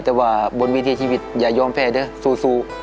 แต่ว่าบนวันวิทยาชีวิตอย่ายอมแพร่เนอะซู